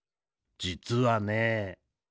じつはね。